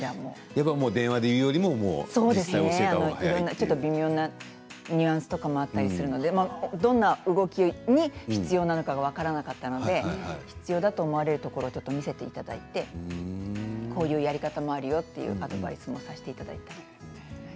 電話よりも実際に教えたほうが微妙なニュアンスとかもあったりするのでどんな動きに必要なのかと分からなかったので必要だと思われるところを見せていただいてこういうやり方もあるよとアドバイスさせていただいて。